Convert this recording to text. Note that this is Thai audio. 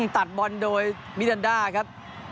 ตัดบอลโดยมิรันดาครับ